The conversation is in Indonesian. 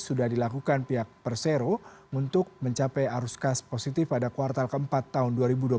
sudah dilakukan pihak persero untuk mencapai arus kas positif pada kuartal keempat tahun dua ribu dua puluh satu